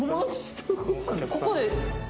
ここで。